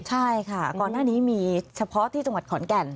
ใช่ค่ะก่อนหน้านี้มีเฉพาะที่จังหวัดขอนแก่น